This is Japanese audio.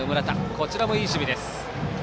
こちらもいい守備です。